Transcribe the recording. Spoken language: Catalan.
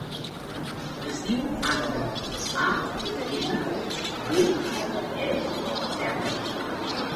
Es diu Ander: a, ena, de, e, erra.